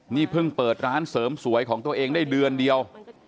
นี่เพิ่งเปิดร้านเสริมสวยของตัวเองได้เดือนเดียว